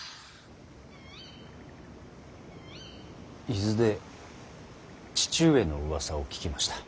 伊豆で父上のうわさを聞きました。